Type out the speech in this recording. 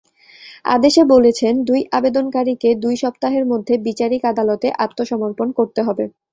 আদেশে বলেছেন, দুই আবেদনকারীকে দুই সপ্তাহের মধ্যে বিচারিক আদালতে আত্মসমর্পণ করতে হবে।